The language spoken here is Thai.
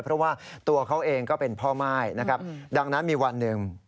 เพราะว่าตัวเขาเองก็เป็นพ่อม่ายนะครับดังนั้นมีวันหนึ่ง